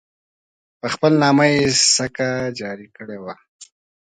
په خپل نامه یې سکه جاري کړې وه.